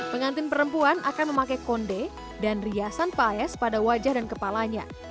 pengantin perempuan akan memakai konde dan riasan paes pada wajah dan kepalanya